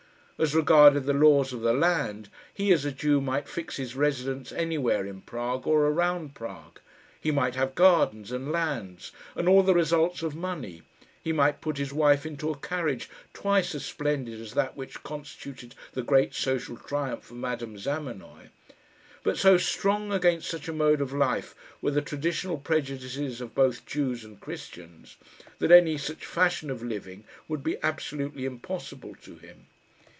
As regarded the laws of the land, he, as a Jew, might fix his residence anywhere in Prague or around Prague; he might have gardens, and lands, and all the results of money; he might put his wife into a carriage twice as splendid as that which constituted the great social triumph of Madame Zamenoy but so strong against such a mode of life were the traditional prejudices of both Jews and Christians, that any such fashion of living would be absolutely impossible to him.